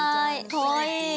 かわいい。